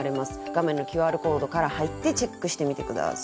画面のＱＲコードから入ってチェックしてみて下さい。